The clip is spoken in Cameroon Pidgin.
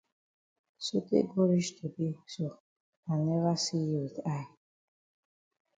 Sotay go reach today so I never see yi with eye.